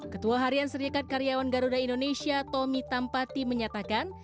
ketua harian serikat karyawan garuda indonesia tommy tampati menyatakan